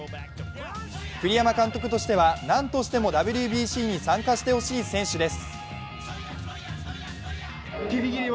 栗山監督としてはなんとしてもＷＢＣに参加してほしい選手です。